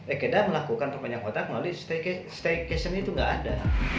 ikeda melakukan perpanjang kotak melalui staycation itu gak ada